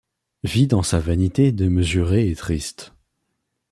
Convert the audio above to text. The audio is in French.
Vit dans sa vanité démesurée et triste